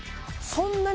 そんなに！？